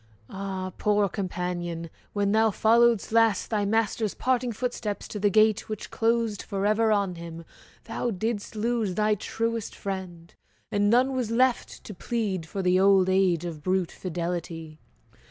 Ah, poor companion! when thou followedst last Thy master's parting footsteps to the gate Which closed forever on him, thou didst lose Thy truest friend, and none was left to plead For the old age of brute fidelity!